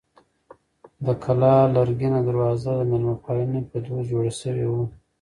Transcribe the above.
د کلا لرګینه دروازه د مېلمه پالنې په دود جوړه شوې وه.